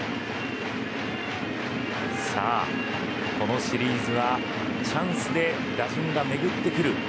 さあこのシリーズはチャンスで打順が巡ってくる。